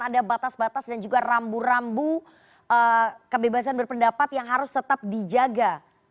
ada batas batas dan juga rambu rambu kebebasan berpendapat yang harus tetap dijaga